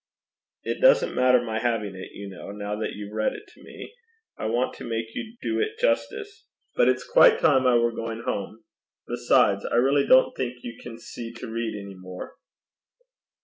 'It doesn't matter my having it, you know, now that you've read it to me, I want to make you do it justice. But it's quite time I were going home. Besides, I really don't think you can see to read any more.'